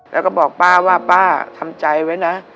แล้วก็บอกป้าว่าป้าทำใจไว้นะ